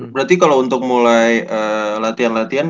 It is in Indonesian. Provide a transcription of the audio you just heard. berarti kalau untuk mulai latihan latihan